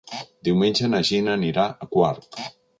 Diumenge na Gina anirà a Quart.